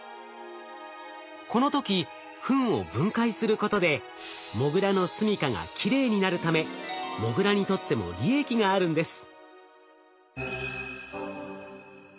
この時ふんを分解することでモグラのすみかがきれいになるためモグラにとっても利益があるんです。